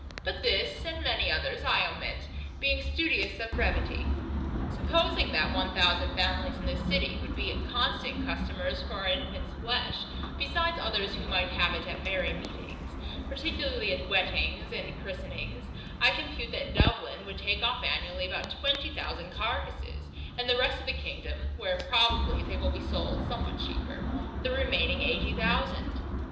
But this, and many others, I omit, being studious of brevity. Supposing that one thousand families in this city, would be constant customers for infants flesh, besides others who might have it at merry meetings, particularly at weddings and christenings, I compute that Dublin would take off annually about twenty thousand carcasses; and the rest of the kingdom (where probably they will be sold somewhat cheaper) the remaining eighty thousand.